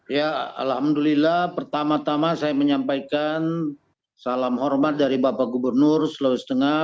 ya alhamdulillah pertama tama saya menyampaikan salam hormat dari bapak gubernur sulawesi tengah